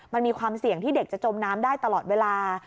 มันมีความเสี่ยงที่เด็กจะจมน้ำได้ตลอดเวลา